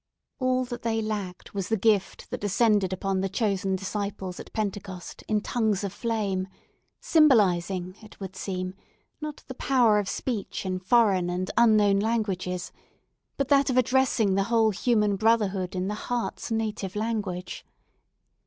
All that they lacked was, the gift that descended upon the chosen disciples at Pentecost, in tongues of flame; symbolising, it would seem, not the power of speech in foreign and unknown languages, but that of addressing the whole human brotherhood in the heart's native language.